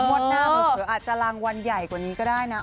งวดหน้าเผลออาจจะรางวัลใหญ่กว่านี้ก็ได้นะ